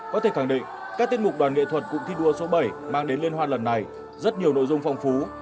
có thể khẳng định các tiết mục đoàn nghệ thuật cụm thi đua số bảy mang đến liên hoan lần này rất nhiều nội dung phong phú